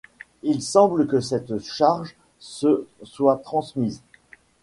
Il semble que cette charge se soit transmise.